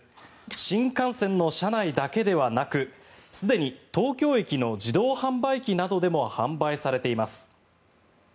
新幹線の車内だけではなくすでに東京駅の自動販売機などでも販売されています。